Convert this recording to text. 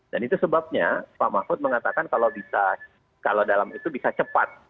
dan itu sebabnya pak mahfuz mengatakan kalau dalam itu bisa cepat